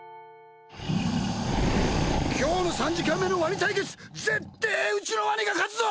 今日の３時間目のワニ対決、ぜってぇ、うちのワニが勝つぞ！